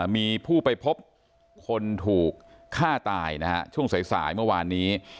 มีผู้ไปพบคนถูกฆ่าตายนะฮะช่วงสายเมื่อวานนี้